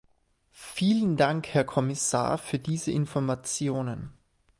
Vielen Dank Herr Kommissar für diese Informationen.